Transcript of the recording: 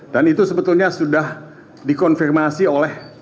itu sebetulnya sudah dikonfirmasi oleh